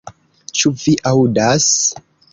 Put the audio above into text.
Ĉu vi aŭdas?